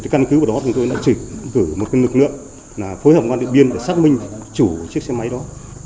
căn cứ của đó chúng tôi đã trực tử một nực lượng phối hợp với điện biên để xác minh chủ chiếc xe máy đó